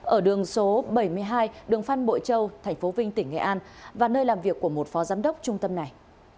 ở đường số bảy mươi hai đường phan bội châu tp vinh tỉnh nghệ an và nơi làm việc của một phó giám đốc trung tâm này